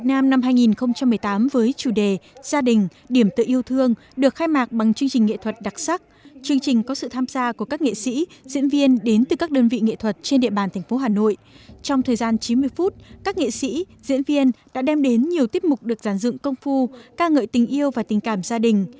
trong thời gian chín mươi phút các nghệ sĩ diễn viên đã đem đến nhiều tiếp mục được giản dựng công phu ca ngợi tình yêu và tình cảm gia đình